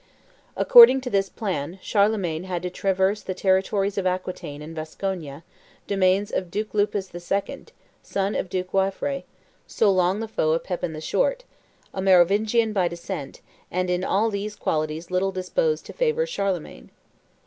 According to this plan, Charlemagne had to traverse the territories of Aquitaine and Vasconia, domains of Duke Lupus II., son of Duke Waifre, so long the foe of Pepin the Short, a Merovingian by descent, and in all these qualities little disposed to favor Charlemagne.